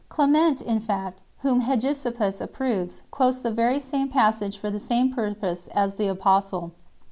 Clement, in fact, whom Hegesippus approves, quotes the very same passage for the same purpose as the apostle.